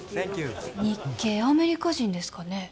日系アメリカ人ですかね？